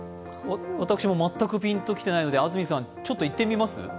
私も全くピンときてないので、安住さんいってみます？